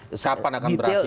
kapan akan berakhir